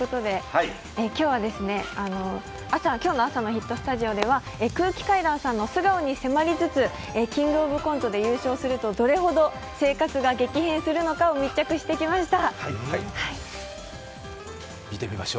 今日の朝のヒットスタジオでは空気階段さんの素顔に迫りつつ「キングオブコント」で優勝するとどれほど生活が激変するのかを密着してきました。